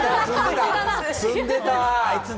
つんでた！